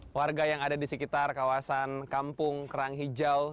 warga yang ada di sekitar kawasan kampung kerang hijau